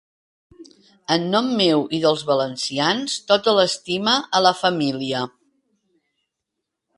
En nom meu i dels valencians, tota l'estima a la família.